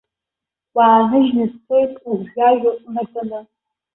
Уааныжьны дцоит угәжәажәо унартәаны.